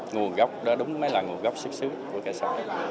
nguồn gốc đó đúng mới là nguồn gốc xuất xứ của cây xoài